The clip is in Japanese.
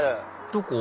どこ？